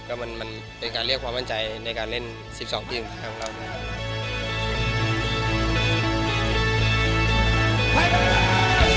ก็มันเป็นการเรียกความมั่นใจในการเล่น๑๒ทีมของเรานะครับ